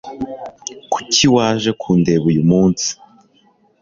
Kuki waje kundeba uyu munsi?